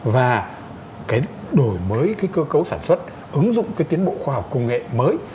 và đổi mới cơ cấu sản xuất ứng dụng tiến bộ khoa học công nghệ mới